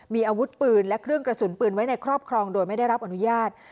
มีอาวุธปืนและเครื่องกระสุนปืนไว้ในครอบครองโดยไม่ได้รับอนุญาต